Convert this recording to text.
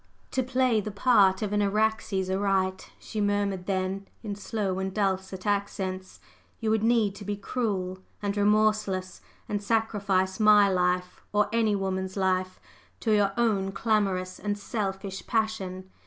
"To play the part of an Araxes aright," she murmured then in slow and dulcet accents, "you would need to be cruel and remorseless, and sacrifice my life or any woman's life to your own clamorous and selfish passion.